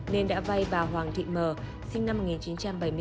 nên đã vai bà hoàng thị m sinh năm một nghìn chín trăm bảy mươi bốn